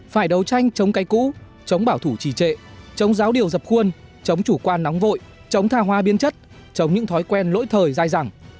phải đấu tranh chống cây cũ chống bảo thủ trì trệ chống giáo điều dập khuôn chống chủ quan nóng vội chống tha hoa biên chất chống những thói quen lỗi thời dài dẳng